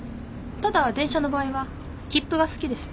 ただ電車の場合は切符が好きです。